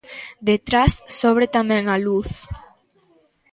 Detrás sobre tamén a luz.